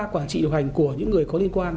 quản trị điều hành của những người có liên quan